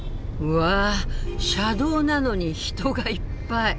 わあ車道なのに人がいっぱい。